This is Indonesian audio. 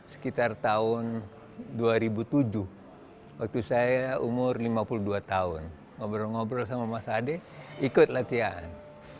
sekitar tahun dua ribu tujuh waktu saya umur lima puluh dua tahun ngobrol ngobrol sama mas ade ikut latihan